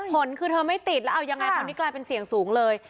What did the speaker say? ผลคือเธอไม่ติดแล้วเอายังไงคราวนี้กลายเป็นเสี่ยงสูงเลย